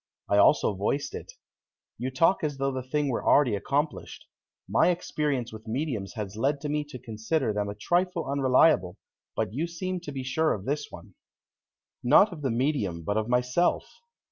I also voiced it. "You talk as though the thing were already accomplished. My experience with mediums has led me to consider them a trifle unreliable, but you seem to be sure of this one." "Not of the medium but of myself.